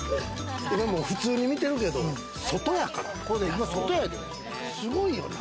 普通に見てるけど外やからね。